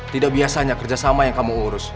tidak biasanya kerjasama yang kamu urus